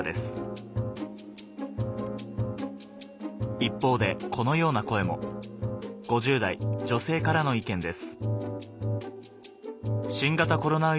一方でこのような声も５０代女性からの意見です